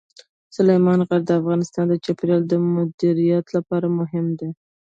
سلیمان غر د افغانستان د چاپیریال د مدیریت لپاره مهم دي.